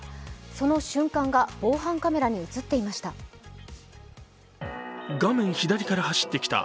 その瞬間が防犯カメラに映っていました。